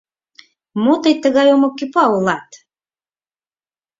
Мо тый тыгай омыкӱпа улат!